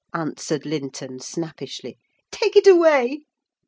answered Linton, snappishly. "Take it away."